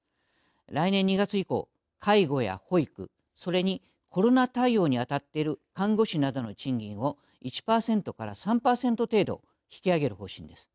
来年２月以降、介護や保育それにコロナ対応に当たっている看護師などの賃金を１％から３％程度引き上げる方針です。